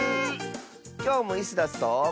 きょうもイスダスと。